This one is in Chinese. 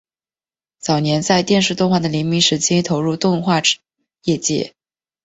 早年在电视动画的黎明时期投入动画业界。